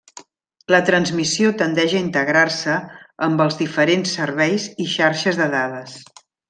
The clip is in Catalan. La transmissió tendeix a integrar-se amb els diferents serveis i xarxes de dades.